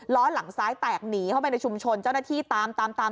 ล้อหลังซ้ายแตกหนีเข้าไปในชุมชนเจ้าหน้าที่ตามตาม